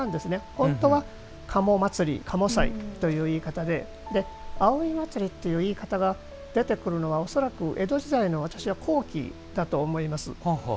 本当は賀茂祭という言い方で葵祭という言い方が出てくるのは恐らく、江戸時代の私は高貴だと思います。